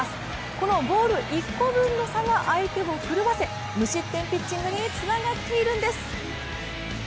このボール１個分の差が相手を狂わせ、無失点ピッチングにつながっているんです。